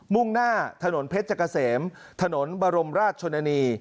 มุ่งหน้าถนนเพชรจกะเสม